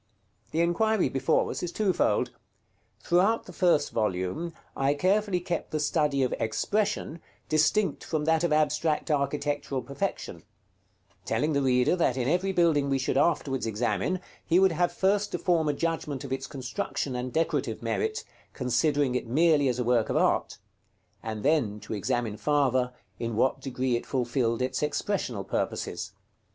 The inquiry before us is twofold. Throughout the first volume, I carefully kept the study of expression distinct from that of abstract architectural perfection; telling the reader that in every building we should afterwards examine, he would have first to form a judgment of its construction and decorative merit, considering it merely as a work of art; and then to examine farther, in what degree it fulfilled its expressional purposes.